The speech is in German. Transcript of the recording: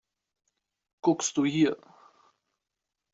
Guckst du hier!